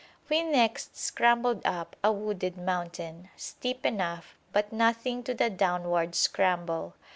We next scrambled up a wooded mountain, steep enough, but nothing to the downward scramble.